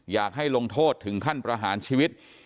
อยากให้ลงโทษถึงขั้นประหารชีวิต